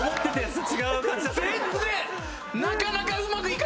全然！